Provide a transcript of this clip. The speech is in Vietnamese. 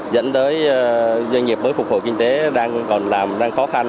dẫn tới doanh nghiệp mới phục hồi kinh tế đang còn làm đang khó khăn